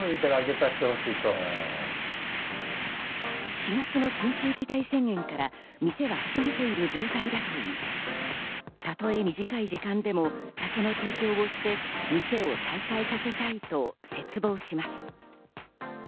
４月の緊急事態宣言から店は閉めている状態だといい、たとえ短い時間でも酒の提供をして店を再開させたいと切望します。